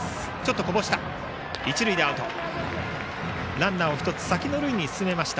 ランナーを１つ先の塁に進めました。